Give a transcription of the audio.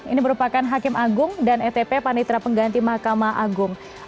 ini merupakan hakim agung dan etp panitra pengganti mahkamah agung